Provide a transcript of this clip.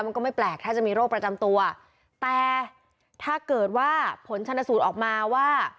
มันก็ไม่แปลกถ้าจะมีโรคประจำตัวแต่ถ้าเกิดว่าผลชนสูตรออกมาว่า